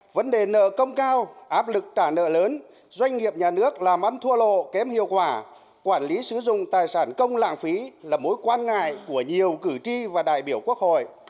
vấn đề nợ công cao áp lực trả nợ lớn doanh nghiệp nhà nước làm ăn thua lộ kém hiệu quả quản lý sử dụng tài sản công lãng phí là mối quan ngại của nhiều cử tri và đại biểu quốc hội